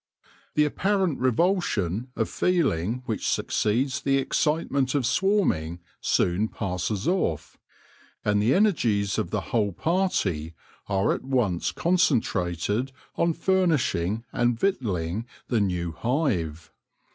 The apparent revulsion of feeling which succeeds the excitement of swarming soon passes off, and the energies of the whole party are at once concentrated on furnishing and victualling the new hive.